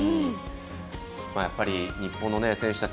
やっぱり日本の選手たち